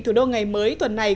thủ đô ngày mới tuần này